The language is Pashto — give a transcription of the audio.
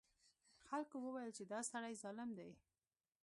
خلکو وویل چې دا سړی ظالم دی.